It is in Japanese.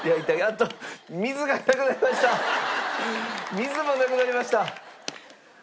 水もなくなりました！